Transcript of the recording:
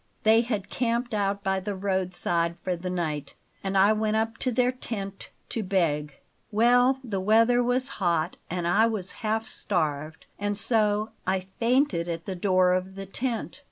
They had camped out by the roadside for the night; and I went up to their tent to beg. Well, the weather was hot and I was half starved, and so I fainted at the door of the tent.